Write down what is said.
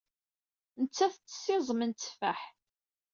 Nettat tettess iẓem n tteffaḥ.